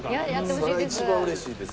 それが一番うれしいです。